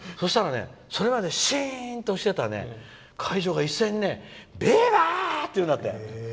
それまでシーンとしてた会場が一斉にビバ！って言うんだって。